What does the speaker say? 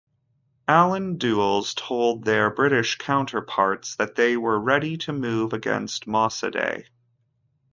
Allen Dulles, told their British counterparts that they were ready to move against Mossadegh.